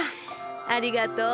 ありがとう。